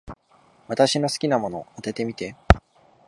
私の好きなもの、当ててみて。